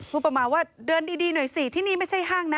พูดประมาณว่าเดินดีหน่อยสิที่นี่ไม่ใช่ห้างนะ